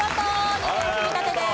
２点積み立てです。